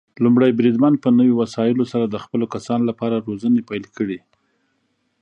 لومړی بریدمن په نوي وسايلو سره د خپلو کسانو لپاره روزنې پيل کړي.